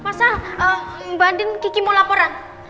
mas al mbak andien kiki mau laporan